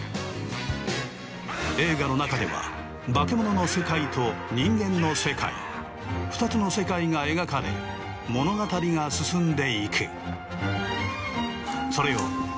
映画の中ではバケモノの世界と人間の世界２つの世界が描かれ物語が進んでいく。